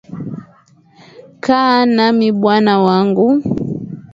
Kaa nami bwana wangu.